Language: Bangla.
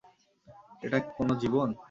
এটা কোনো জীবন!